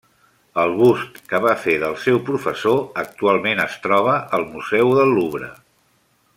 El bust que va fer del seu professor actualment es troba al museu del Louvre.